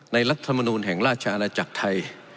รัฐมนูลแห่งราชอาณาจักรไทย